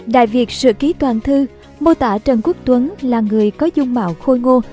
đại việt sự ký toàn thư mô tả trần quốc tuấn là người có dung mạo khôi ngô